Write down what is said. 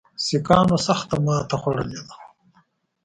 سیکهانو سخته ماته خوړلې ده.